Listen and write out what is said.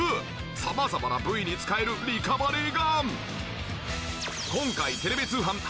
様々な部位に使えるリカバリーガン！